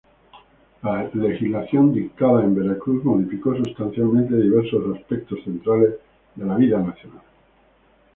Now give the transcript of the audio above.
La legislación dictada en Veracruz modificó sustancialmente diversos aspectos centrales de la vida nacional.